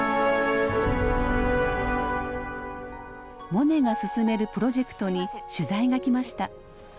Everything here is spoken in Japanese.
モネが進めるプロジェクトに取材が来ました。